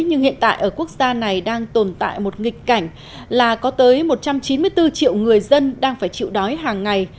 nhưng hiện tại ở quốc gia này đang tồn tại một nghịch cảnh là có tới một trăm chín mươi bốn triệu người dân đang phải chịu đói hàng ngày